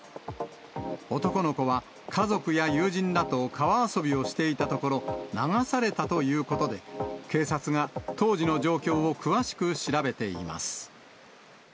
男の子は家族や友人らと川遊びをしていたところ、流されたということで、警察が当時の状況を詳しく調べています。